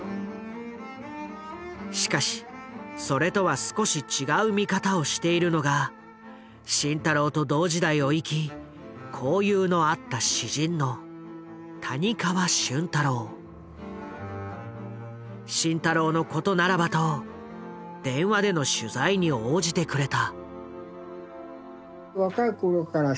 しかしそれとは少し違う見方をしているのが慎太郎と同時代を生き交友のあった慎太郎のことならばと電話での取材に応じてくれた。